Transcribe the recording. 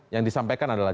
yang disampaikan adalah